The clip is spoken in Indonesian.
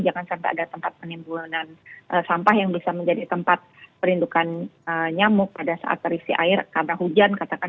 jangan sampai ada tempat penimbunan sampah yang bisa menjadi tempat perindukan nyamuk pada saat terisi air karena hujan